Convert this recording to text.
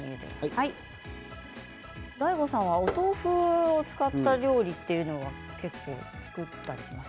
ＤＡＩＧＯさんはお豆腐を使った料理というのは結構、作ったりします？